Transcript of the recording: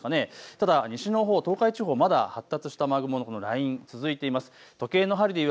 ただ西のほう東海地方はまだ発達した雨雲のラインが続いています。